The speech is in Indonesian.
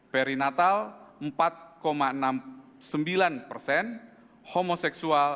perinatal empat enam puluh sembilan persen homoseksual